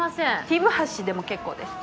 ティブ橋でも結構です。